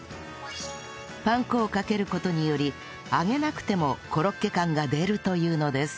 パン粉をかける事により揚げなくてもコロッケ感が出るというのです